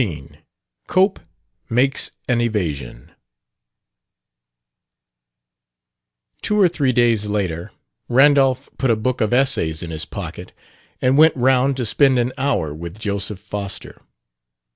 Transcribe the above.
14 COPE MAKES AN EVASION Two or three days later, Randolph put a book of essays in his pocket and went round to spend an hour with Joseph Foster.